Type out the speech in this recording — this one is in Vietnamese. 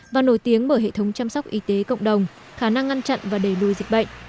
và nổi tiếng bởi hệ thống chăm sóc y tế cộng đồng khả năng ngăn chặn và đẩy lùi dịch bệnh